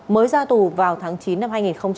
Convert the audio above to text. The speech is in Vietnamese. mới ra tù vào tháng chín năm hai nghìn hai mươi ba